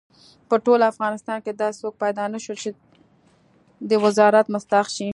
په ټول افغانستان کې داسې څوک پیدا نه شو چې د وزارت مستحق شي.